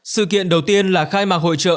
sự kiện đầu tiên là khai mạc hội trợ